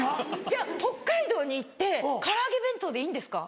じゃあ北海道に行って唐揚げ弁当でいいんですか？